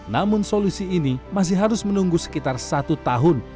namun solusi ini masih harus menunggu sekitar satu tahun